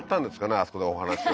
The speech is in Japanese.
あそこでお話は。